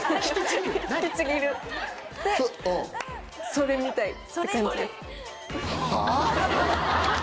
それみたいって感じです。